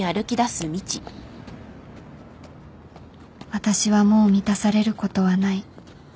私はもう満たされることはない